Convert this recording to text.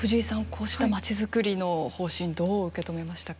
こうしたまちづくりの方針どう受け止めましたか。